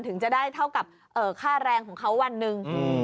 ถึงจะได้เท่ากับค่าแรงของเขาวันหนึ่ง